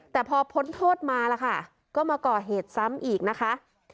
แต่พอพ้นโทษมาล่ะค่ะก็มาก่อเหตุซ้ำอีกนะคะ